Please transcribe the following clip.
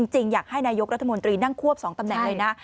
จริงอยากให้นายกรัฐมนตรีนั่งควบ๒ตำแหน่งเลยนะ